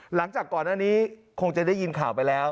หลังจากก่อนอันนี้คงจะได้ยินข่าวไปแล้ว